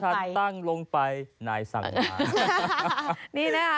จ้ายที่ฉันตั้งลงไปนายสั่งหลัก